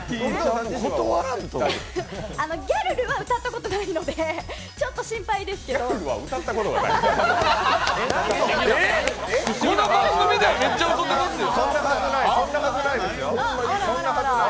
ギャルルは歌ったことないので、ちょっと心配ですけどえっ、この番組ではめっちゃ歌ってますよ。